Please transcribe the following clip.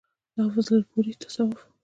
د حافظ الپورئ تصوف